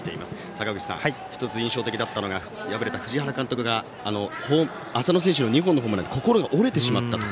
坂口さん、１つ印象的だったのが敗れた藤原監督が浅野選手の２本のホームランで心が折れてしまったと。